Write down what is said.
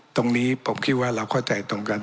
ตรงนี้ผมคิดว่าเราเข้าใจตรงกัน